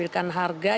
untuk memantau harga